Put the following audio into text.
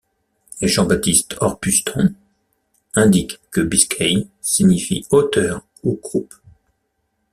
Jean-Baptiste Orpustan indique que Biscay signifie 'hauteur' ou 'croupe'.